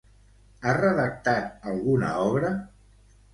Ha redactat alguna obra?